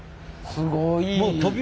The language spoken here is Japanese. すごい。